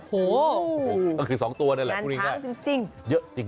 โหก็คือสองตัวเนี่ยแหละงานช้างจริง